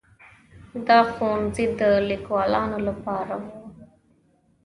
دا ښوونځي د لیکوالانو لپاره وو.